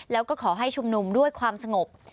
แล้วก็ขอให้ชุมนุมด้วยความสงบ